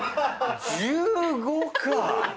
１５か！